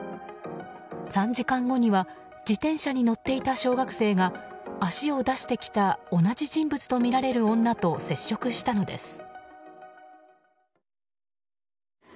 ３時間後には自転車に乗っていた小学生が足を出してきた同じ人物とみられる女と接触したのです。